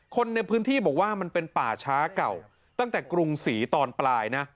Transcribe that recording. คนในพื้นที่บอกว่ามันเป็นป่าช้าเก่าตั้งแต่กรุงศรีตอนปลายนะ